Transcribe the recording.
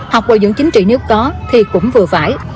học bồi dưỡng chính trị nếu có thì cũng vừa phải